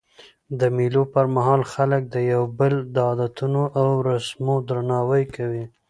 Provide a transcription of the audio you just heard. د مېلو پر مهال خلک د یو بل د عادتو او رسمو درناوی کوي.